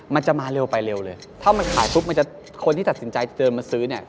มันจะมาเร็วไปเร็วเลยถ้ามันขายปุ๊บมันจะคนที่ตัดสินใจเดินมาซื้อเนี่ย